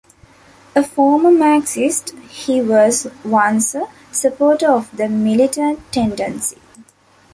A former Marxist, he was once a supporter of the Militant tendency.